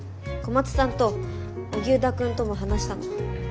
小松さんと荻生田くんとも話したの。